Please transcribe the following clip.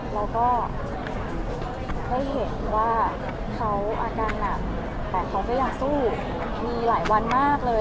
เราก็ได้เห็นว่าเขาอาการหนักแต่เขาก็อยากสู้มีหลายวันมากเลย